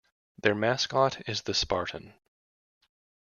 Their mascot is the Spartan.